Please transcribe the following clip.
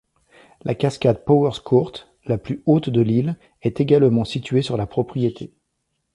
La cascade Powerscourt, la plus haute de l'île, est également située sur la propriété.